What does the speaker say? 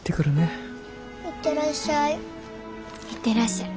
行ってらっしゃい。